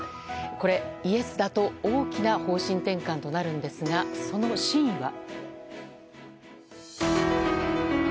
これイエスだと大きな方針転換となるんですがその真意は？